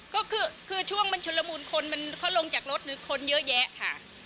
ก็คือช่วงมันชนละมูลคนมันเขาลงจากรถนึกคนเยอะแยะค่ะ